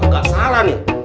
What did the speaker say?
eh gue gak salah nih